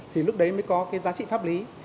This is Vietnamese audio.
thì lúc đấy mới có giá trị pháp lý